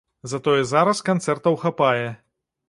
Затое зараз канцэртаў хапае.